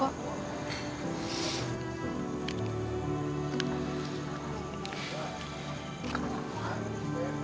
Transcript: aku mau sing